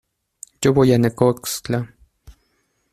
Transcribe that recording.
yo voy a Necoxtla.